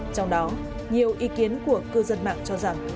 trong đó nhiều ý kiến của cư dân mạng cho rằng